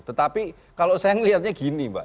tetapi kalau saya melihatnya gini mbak